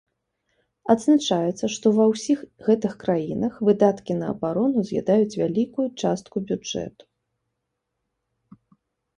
Адзначаецца, што ва ўсіх гэтых краінах выдаткі на абарону з'ядаюць вялікую частку бюджэту.